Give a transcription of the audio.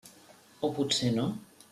O potser no.